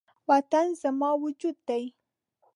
وطن زما وجود دی